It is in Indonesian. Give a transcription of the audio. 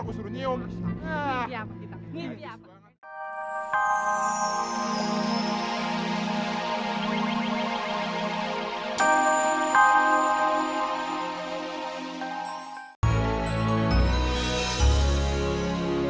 gue sama gue suruh nyium